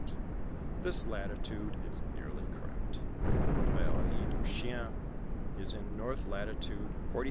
f This latitude is nearly correct Prairie du Chien is in north latitude 43° 8'.